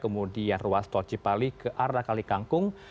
kemudian ruas tol cipali ke arah kalikang